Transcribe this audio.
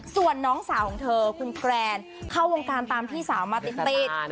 ส่วนน้องสาวของเธอคุณแกรนเข้าวงการตามพี่สาวมาติด